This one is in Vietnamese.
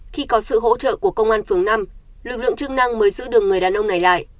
khi có sự hỗ trợ của công an phường năm lực lượng chức năng mới giữ được người đàn ông này lại